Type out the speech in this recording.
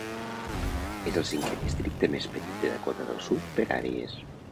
És el cinquè districte més petit de Dakota del Sud per àrees.